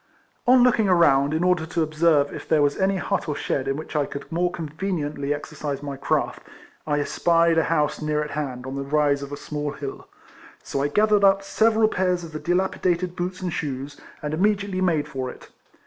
On looking around, in order to observe if there was any hut or shed in which I could more conveniently exercise my craft, I espied a house near at hand, on the rise of a small hill. So I gathered up several pairs of the dilapidated boots and shoes, and immediately made for it.